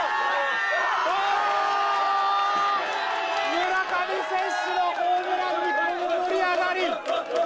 村上選手のホームランにこの盛り上がり。